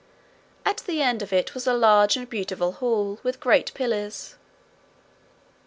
At the end of it was a large and beautiful hall, with great pillars.